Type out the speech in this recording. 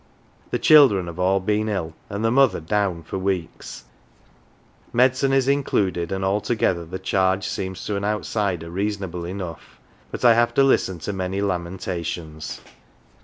The children have all been ill, and the mother " down " for weeks ; medicine is included, and altogether the charge seems to an outsider reasonable enough, but I have to listen to many lamentations.